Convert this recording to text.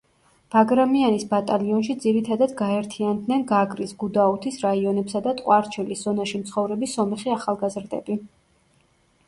ბაგრამიანის ბატალიონში ძირითადად გაერთიანდნენ გაგრის, გუდაუთის რაიონებსა და ტყვარჩელის ზონაში მცხოვრები სომეხი ახალგაზრდები.